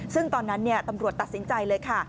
ซึ่งตอนนั้นตำรวจตัดสินใจเลยค่ะ